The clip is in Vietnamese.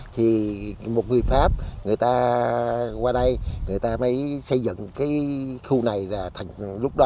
thì một người pháp người ta qua đây người ta mới xây dựng cái khu này là lúc đó là sở trà cầu đất